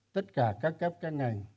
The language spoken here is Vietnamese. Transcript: tất cả các cấp các ngành